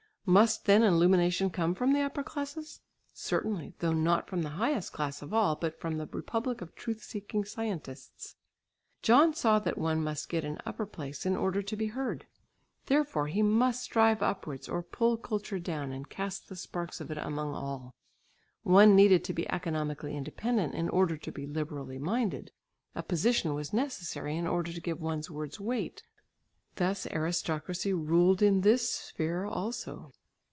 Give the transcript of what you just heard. Must then illumination come from the upper classes? Certainly, though not from the highest class of all, but from the republic of truth seeking scientists. John saw that one must get an upper place in order to be heard; therefore he must strive upwards or pull culture down and cast the sparks of it among all. One needed to be economically independent in order to be liberally minded; a position was necessary in order to give one's words weight; thus aristocracy ruled in this sphere also.